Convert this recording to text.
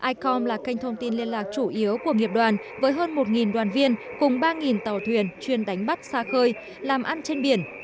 icom là kênh thông tin liên lạc chủ yếu của nghiệp đoàn với hơn một đoàn viên cùng ba tàu thuyền chuyên đánh bắt xa khơi làm ăn trên biển